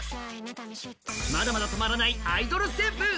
まだまだ止まらない「アイドル」旋風。